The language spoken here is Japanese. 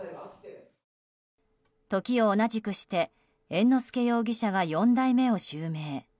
時を同じくして猿之助容疑者が四代目を襲名。